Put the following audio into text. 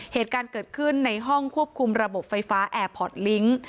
เหตุการณ์เกิดขึ้นในห้องควบคุมระบบไฟฟ้าแอร์พอร์ตลิงค์